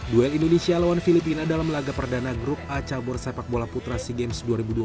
duel indonesia lawan filipina dalam laga perdana grup a cabur sepak bola putra sea games dua ribu dua puluh tiga